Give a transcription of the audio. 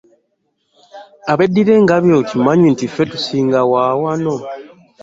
Abeddira engabi okimanyi nti ffe tusingawo wano?